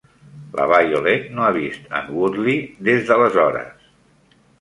La Violet no ha vist en Woodley des d'aleshores.